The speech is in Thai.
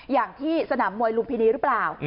อย่างที่สนามมวยลุมพินีหรือเปล่า